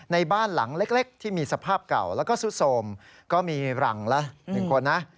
ในบ้านหลังเล็กที่มีสภาพเก่าแล้วก็ซุดโสมก็มีรังละ๑คนนะ